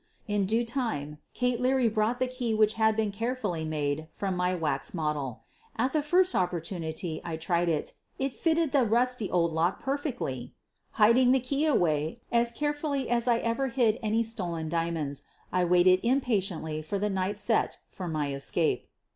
In due time Kate Leary brought the key which had been carefully made from my wax model. At the first opportunity I tried it — it fitted the rusty old lock perfectly ! Hiding the key away as care fully as I ever hid any stolen diamonds, I waited impatiently for the night set for my escape.